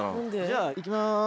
じゃあいきます。